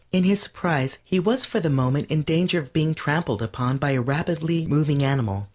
In his surprise he was for the moment in danger of being trampled upon by a rapidly moving animal.